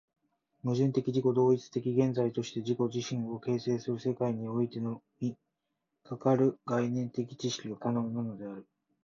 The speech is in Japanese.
矛盾的自己同一的現在として自己自身を形成する世界においてのみ、かかる概念的知識が可能なのである。